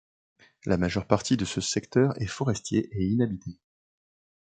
La majeure partie de ce secteur est forestier et inhabité.